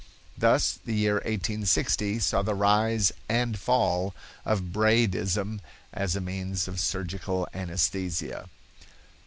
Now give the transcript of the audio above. Thus the year 1860 saw the rise and fall of Braidism as a means of surgical anaesthesia."